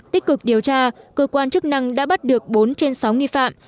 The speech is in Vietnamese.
tích cực điều tra cơ quan chức năng đã bắt được bốn trên sáu nghi phạm